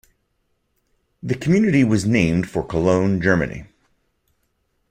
The community was named for Cologne, Germany.